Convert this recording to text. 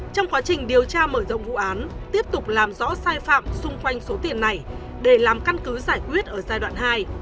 trong quá trình điều tra mở rộng vụ án tiếp tục làm rõ sai phạm xung quanh số tiền này để làm căn cứ giải quyết ở giai đoạn hai